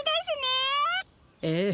ええ。